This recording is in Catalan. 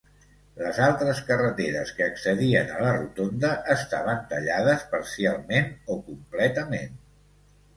Les altres carreteres que accedien a la rotonda estaven tallades parcialment o completament.